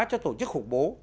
cho tổ chức khủng bố